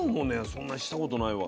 そんなしたことないわ。